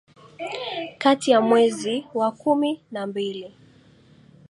kati ya mwezi wa kumi na mbili